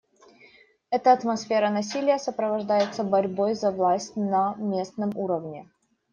Эта атмосфера насилия сопровождается борьбой за власть на местном уровне.